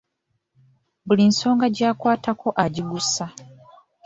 Buli nsonga gy’akwatako agiggusa.